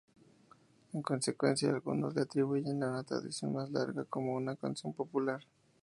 En consecuencia, algunos le atribuyen una tradición más larga como una canción popular.